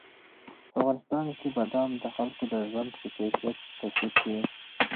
په افغانستان کې بادام د خلکو د ژوند په کیفیت تاثیر کوي.